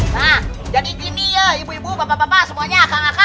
nah jadi gini ya ibu ibu bapak bapak semuanya